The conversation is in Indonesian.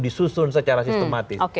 disusun secara sistematis